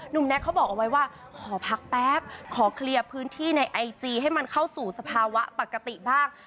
แน็กเขาบอกเอาไว้ว่าขอพักแป๊บขอเคลียร์พื้นที่ในไอจีให้มันเข้าสู่สภาวะปกติบ้าง